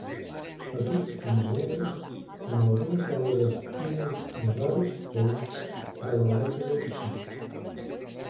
Petits punts negres en algunes de les espines i radis tous de l'aleta dorsal.